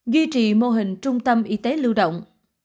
duy trì mô hình trung tâm y tế lưu động